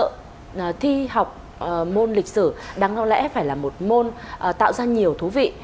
thực thi học môn lịch sử đáng đoán lẽ phải là một môn tạo ra nhiều thú vị